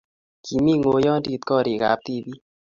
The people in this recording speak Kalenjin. kimi ng'oyondit koriikab tibik.